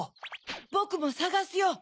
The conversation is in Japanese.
ボクもさがすよ。